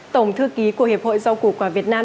tổng thư ký của hiệp hội rau củ quả việt nam